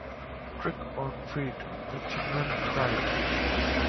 "Trick or Treat" the children cried!